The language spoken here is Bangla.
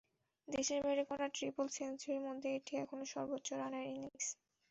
দেশের বাইরে করা ট্রিপল সেঞ্চুরির মধ্যে এটি এখনো সর্বোচ্চ রানের ইনিংস।